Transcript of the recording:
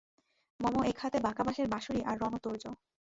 মম এক হাতে বাঁকা বাঁশের বাঁশরী আর রণ-তূর্য।